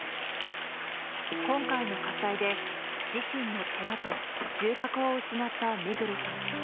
今回の火災で自身の寺と住宅を失った目黒さん。